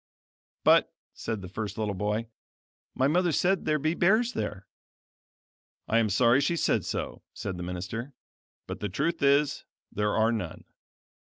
"But," said the first little boy, "My mother said there be bears there." "I am sorry she said so," said the minister, "but the truth is, there are none."